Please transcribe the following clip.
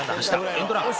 エンドラン。